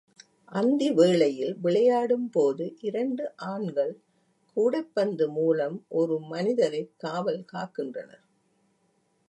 அந்தி வேளையில் விளையாடும் போது இரண்டு ஆண்கள் கூடைப்பந்து மூலம் ஒரு மனிதரை காவல் காக்கின்றனர்.